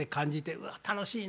うわ楽しいな。